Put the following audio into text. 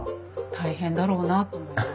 大変だろうなと思います。